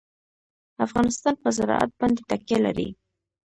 افغانستان په زراعت باندې تکیه لري.